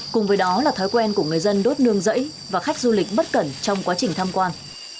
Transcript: cùng với đó là thói quen của người dân đốt nương rẫy và khách du lịch bất cẩn trong quá trình tham quan